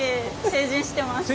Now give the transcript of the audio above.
成人してます。